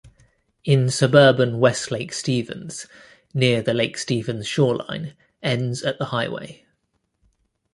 In suburban West Lake Stevens near the Lake Stevens shoreline, ends at the highway.